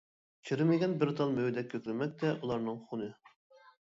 چىرىمىگەن بىر تال مېۋىدەك كۆكلىمەكتە ئۇلارنىڭ خۇنى.